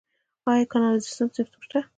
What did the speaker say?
آیا کانالیزاسیون سیستم شته؟